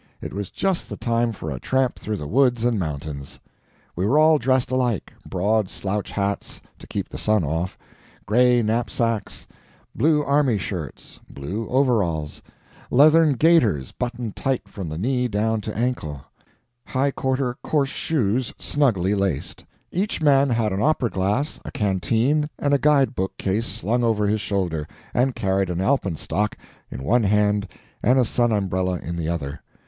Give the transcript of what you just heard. It was just the time for a tramp through the woods and mountains. We were all dressed alike: broad slouch hats, to keep the sun off; gray knapsacks; blue army shirts; blue overalls; leathern gaiters buttoned tight from knee down to ankle; high quarter coarse shoes snugly laced. Each man had an opera glass, a canteen, and a guide book case slung over his shoulder, and carried an alpenstock in one hand and a sun umbrella in the other.